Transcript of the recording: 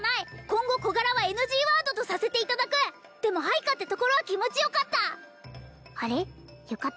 今後小柄はＮＧワードとさせていただくでも配下ってところは気持ちよかったあれ浴衣？